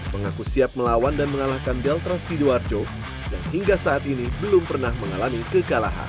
mengaku siap melawan dan mengalahkan delta sidoarjo yang hingga saat ini belum pernah mengalami kekalahan